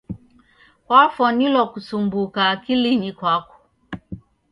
Kwafwanilwa kusumbuka akilinyi kwako.